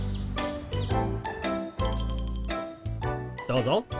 どうぞ。